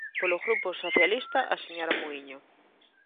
Polo Grupo Socialista, a señora Muíño.